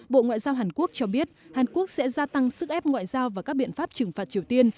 bộ ngoại giao hàn quốc cho biết hàn quốc sẽ gia tăng sức ép ngoại giao và các biện pháp trừng phạt triều tiên